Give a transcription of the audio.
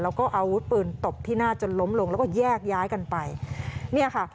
แล้วก็อาวุธปืนตบที่หน้าจนล้มลงแล้วก็แยกย้ายกันไปเนี่ยค่ะ